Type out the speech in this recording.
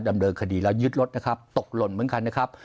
ดำเนินคดีแล้วยึดรถนะครับตกหล่นเหมือนกันนะครับ